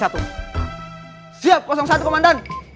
siap satu komandan